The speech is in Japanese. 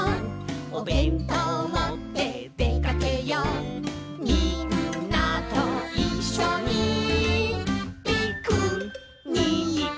「おべんとうもってでかけよう」「みんなといっしょにピクニック」